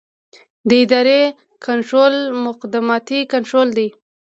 د ادارې کنټرول مقدماتي کنټرول دی.